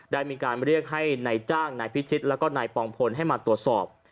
ได้มีการเรียกให้นายจ้างนายพิชิตแล้วก็นายปองพลให้มาตรวจสอบ